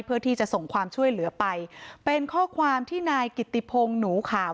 เพื่อที่จะส่งความช่วยเหลือไปเป็นข้อความที่นายกิติพงศ์หนูขาว